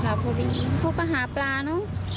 เขาก็หาปลาเนอะ